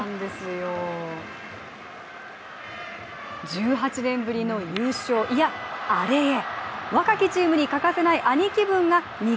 １８年ぶりの優勝、いや、アレへ。